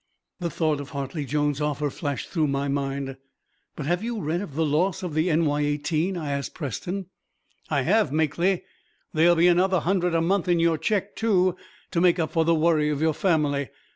The thought of Hartley Jones' offer flashed through my mind. "But have you read of the loss of the NY 18?" I asked Preston. "I have, Makely. There'll be another hundred a month in your check, too, to make up for the worry of your family.